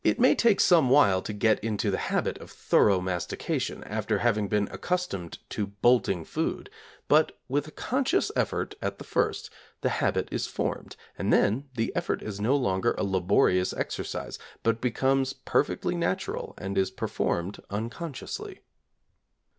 It may take some while to get into the habit of thorough mastication after having been accustomed to bolting food, but with a conscious effort at the first, the habit is formed, and then the effort is no longer a laborious exercise, but becomes perfectly natural and is performed unconsciously.